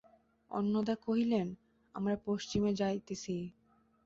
অন্নদা কহিলেন, আমরা পশ্চিমে যাইতেছি।